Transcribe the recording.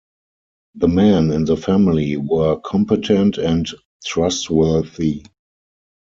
The men in the family were competent and trustworthy.